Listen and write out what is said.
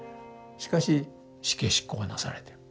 しかし死刑執行がなされている。